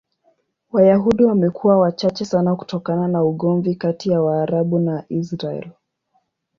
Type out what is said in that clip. Wayahudi wamekuwa wachache sana kutokana na ugomvi kati ya Waarabu na Israel.